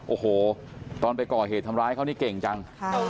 โอ้โหตอนไปก่อเหตุทำร้ายเขานี่เก่งจัง